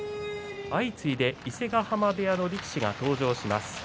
相次いで伊勢ヶ濱部屋の力士が登場します。